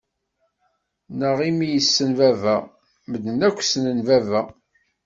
Neɣ imi yessen baba? Medden akk snen baba.